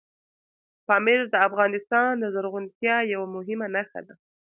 پامیر د افغانستان د زرغونتیا یوه مهمه نښه ده.